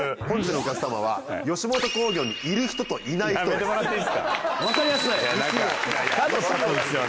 本日のお客様は吉本興業にいる人といない人です。